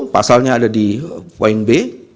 pasalnya ada di wine b